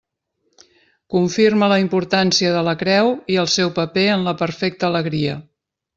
Confirma la importància de la creu i el seu paper en la perfecta alegria.